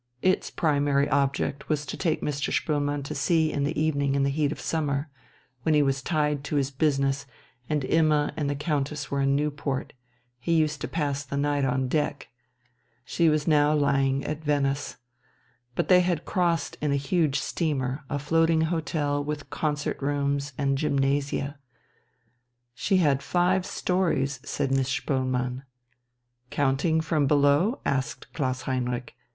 Its primary object was to take Mr. Spoelmann to sea in the evening in the heat of summer, when he was tied to his business and Imma and the Countess were in Newport; he used to pass the night on deck. She was now lying at Venice. But they had crossed in a huge steamer, a floating hotel with concert rooms and gymnasia. "She had five storeys," said Miss Spoelmann. "Counting from below?" asked Klaus Heinrich.